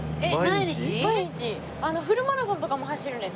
フルマラソンとかも走るんです。